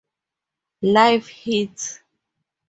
Live Hits.